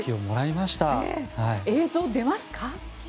映像、出ますか。